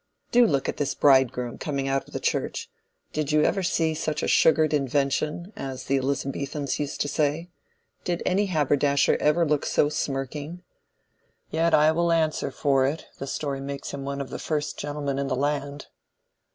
"Do look at this bridegroom coming out of church: did you ever see such a 'sugared invention'—as the Elizabethans used to say? Did any haberdasher ever look so smirking? Yet I will answer for it the story makes him one of the first gentlemen in the land."